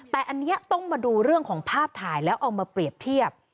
แต่อันนี้ต้องมาดูเรื่องของภาพถ่ายแล้วเอามาเปรียบเทียบ